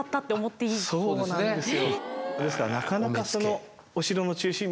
はいそうなんですよ。